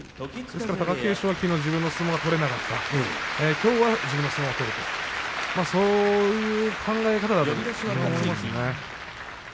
貴景勝はきのう自分の相撲が取れなかったきょうは自分の相撲を取れるそういう考え方だと思いますね。